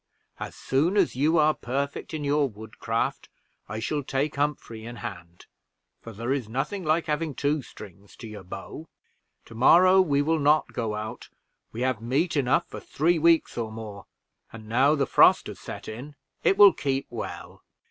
As soon as you are perfect in your woodcraft, I shall take Humphrey in hand, for there is nothing like having two strings to your bow. To morrow we will not go out: we have meat enough for three weeks or more; and now the frost has set in, it will keep well.